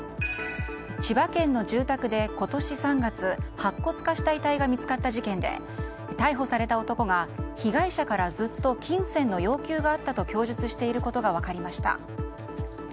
千葉県の住宅で今年３月白骨化した遺体が見つかった事件で逮捕された男が被害者からずっと金銭の要求があったと供述していることが分かりました。